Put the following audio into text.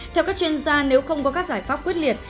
theo các chuyên gia nếu không có các giải pháp quyết liệt